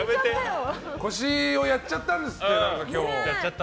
腰をやっちゃったんですって。